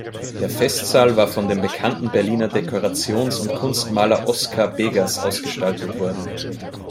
Der Festsaal war von dem bekannten Berliner Dekorations- und Kunstmaler Oskar Begas ausgestaltet worden.